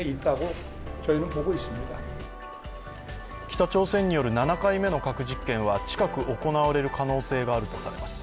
北朝鮮による７回目の核実験は近く行われる可能性があるとされます。